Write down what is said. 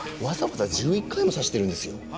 わざわざ１１回も刺してるんですよ？